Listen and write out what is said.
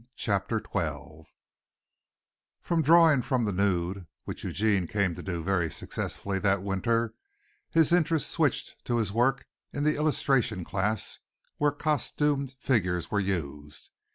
CHAPTER XII From drawing from the nude, which Eugene came to do very successfully that winter, his interest switched to his work in the illustration class where costume figures were used.